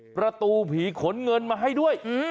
ประตูผีขนเงินมาให้ด้วย